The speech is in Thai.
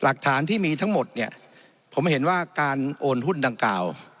หลักฐานที่มีทั้งหมดเนี่ยผมเห็นว่าการโอนหุ้นดังกล่าว